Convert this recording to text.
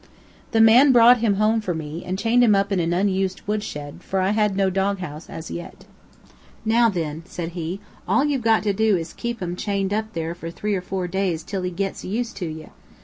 The man brought him home for me, and chained him up in an unused wood shed, for I had no doghouse as yet. "Now thin," said he, "all you've got to do is to keep 'im chained up there for three or four days till he gets used to ye.